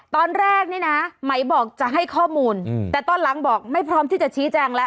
ตอนแรกนี่นะไหมบอกจะให้ข้อมูลแต่ตอนหลังบอกไม่พร้อมที่จะชี้แจงแล้ว